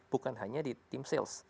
bukan hanya di tim sales